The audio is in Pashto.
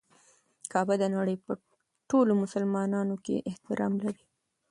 کعبه د نړۍ په ټولو مسلمانانو کې احترام لري.